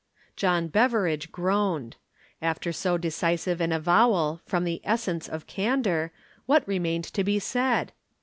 John Beveridge groaned. After so decisive an avowal from the essence of candor, what remained to be said?